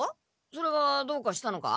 それがどうかしたのか？